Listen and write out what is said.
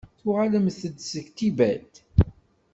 Tuɣalemt-d deg Tibet?